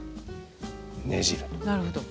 なるほど。